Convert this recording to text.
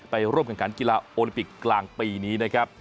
ร่วมกันขันกีฬาโอลิมปิกกลางปีนี้นะครับ